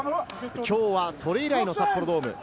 きょうはそれ以来の札幌ドーム。